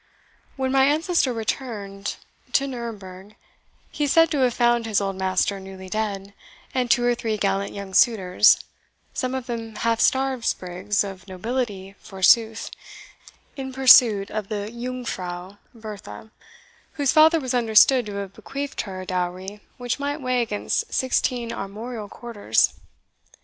When my ancestor returned to Nuremburg, he is said to have found his old master newly dead, and two or three gallant young suitors, some of them half starved sprigs of nobility forsooth, in pursuit of the Yung fraw Bertha, whose father was understood to have bequeathed her a dowry which might weigh against sixteen armorial quarters.